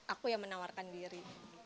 aku yang menawarkan diri